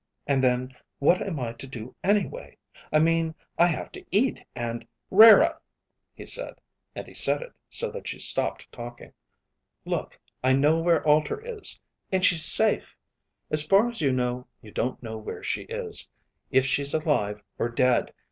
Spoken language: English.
And then, what am I to do anyway. I mean I have to eat, and " "Rara," he said, and he said it so that she stopped talking. "Look I know where Alter is. And she's safe. As far as you know, you don't know where she is, if she's alive or dead.